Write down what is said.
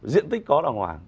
diện tích có đồng hoàng